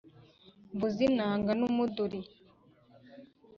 mvuze inanga n'umuduri